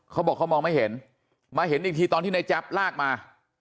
เขาบอกเขามองไม่เห็นมาเห็นอีกทีตอนที่ในแจ๊บลากมา